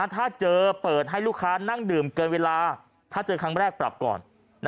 ถ้าเจอเปิดให้ลูกค้านั่งดื่มเกินเวลาถ้าเจอครั้งแรกปรับก่อน